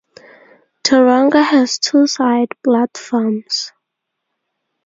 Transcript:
Tooronga has two side platforms.